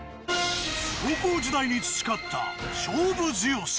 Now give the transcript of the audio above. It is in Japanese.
高校時代に培った勝負強さ！